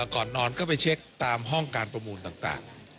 ก่อนนอนก็ไปเช็คตามห้องการประมูลต่าง